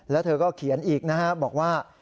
แล้วเธอก็เขียนอีกนะฮะบอกว่า